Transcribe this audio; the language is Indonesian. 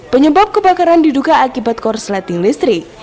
penyebab kebakaran diduga akibat korsleting listrik